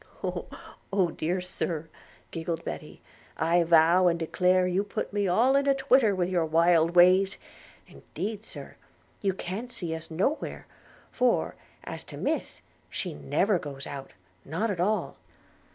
'Oh! dear Sir,' giggled Betty, 'I vow and declare you put me all in a twitter with your wild ways. Indeed, Sir, you can't see us no where; for,` as to Miss, she never goes out, not at all.